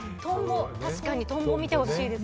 確かにトンボ見てほしいです。